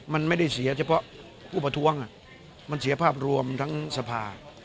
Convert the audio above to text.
มันไม่ได้เสียเฉพาะผู้ประท้วงมันเสียภาพรวมทั้งสภา